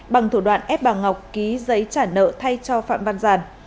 bằng thủ đoạn ép bà ngọc ký giấy trả nợ thay cho phạm văn giàn